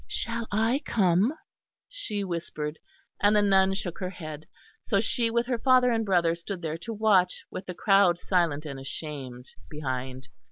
"Shall I come?" she whispered; and the nun shook her head; so she with her father and brother stood there to watch, with the crowd silent and ashamed behind.